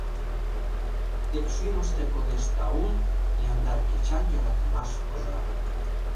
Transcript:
Тек шӱмыштӧ кодеш таул, яндар Кечан йӧратымаш пожар.